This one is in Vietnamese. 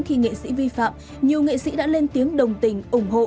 khi nghệ sĩ vi phạm nhiều nghệ sĩ đã lên tàu